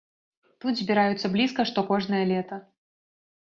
Тут збіраюцца блізка што кожнае лета.